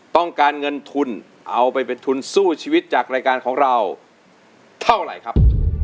ต้องการเงินทุนเอาไปเป็นทุนสู้ชีวิตจากรายการของเราเท่าไหร่ครับ